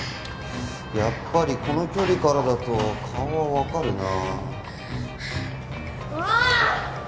やっぱりこの距離からだと顔は分かるなあもう！